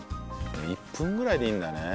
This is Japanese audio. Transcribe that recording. １分ぐらいでいいんだね。